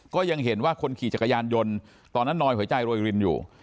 ก็ยังเห็นว่าคนขี่จักรยานยนต์ตอนนั้นนอยหัวใจโรยรินอยู่